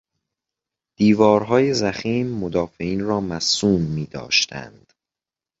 دیوارهای ضخیم مدافعین را مصون میداشتند.